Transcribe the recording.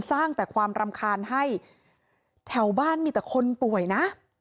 สร้างแต่ความรำคาญให้แถวบ้านมีแต่คนป่วยนะ